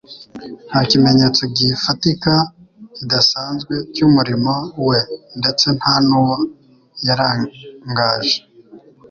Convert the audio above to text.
nta kimenyetso gifatika kidasanzwe cy'umurimo we, ndetse nta n'uwo yarangaje.